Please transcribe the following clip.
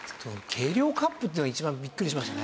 計量カップっていうのは一番ビックリしましたね。